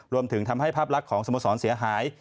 รวมถึงทำให้ภาพลักษณ์ของสโมสรเสียหาย